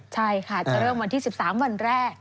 ใช่ค่ะจะเริ่มวันที่๑๓วันแรก